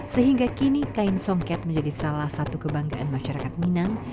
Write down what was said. sehingga kini kain songket menjadi salah satu kebanggaan masyarakat minang